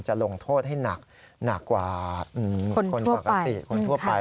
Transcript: จะลงโทษให้หนักหนักกว่าคนทั่วไป